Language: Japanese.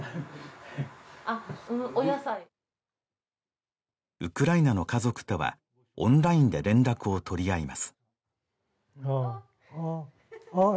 あっお野菜ウクライナの家族とはオンラインで連絡をとりあいますあっあっ